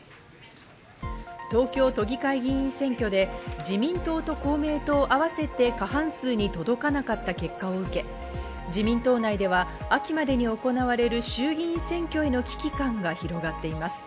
東京都議会議員選挙で自民党と公明党を合わせて過半数に届かなかった結果を受け、自民党内では秋までに行われる衆院議員選挙への危機感が広がっています。